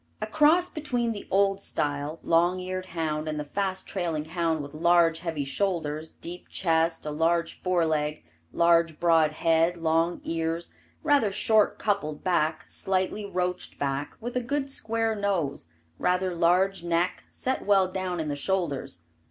A cross between the old style, long eared hound and the fast trailing hound with large, heavy shoulders, deep chest, a large fore leg, large broad head, long ears, rather short coupled back, slightly roached back, with a good square nose, rather large neck, set well down in the shoulders.